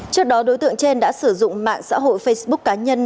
trước đó đối tượng trên đã sử dụng mạng xã hội facebook cá nhân